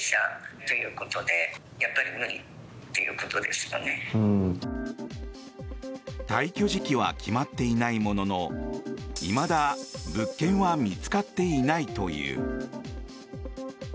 しかし。退去時期は決まっていないもののいまだ物件は見つかっていないという。